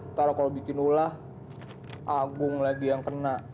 ntar kalau bikin ulah agung lagi yang kena